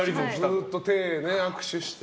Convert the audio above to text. ずっと握手して。